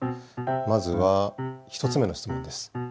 まずは１つ目の質問です。